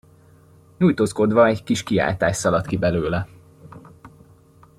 Nyújtózkodva egy kis kiáltás szaladt ki belőle.